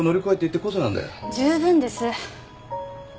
十分です。